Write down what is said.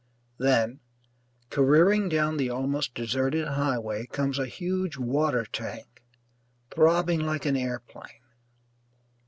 Then, careering down the almost deserted highway, comes a huge water tank, throbbing like an airplane.